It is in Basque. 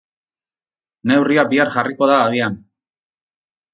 Neurria bihar jarriko da abian.